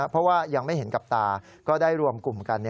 เพราะว่ายังไม่เห็นกับตาก็ได้รวมกลุ่มกัน